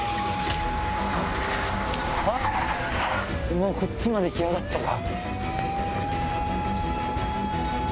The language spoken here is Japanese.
もうこっちまで来やがったか。